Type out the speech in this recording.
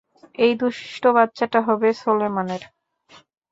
এই দুষ্টু বাচ্চাটা হবে সলোমনের।